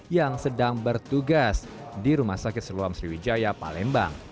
yang sedang bertugas di rumah sakit seluam sriwijaya palembang